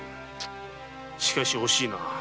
しかし惜しいなぁ。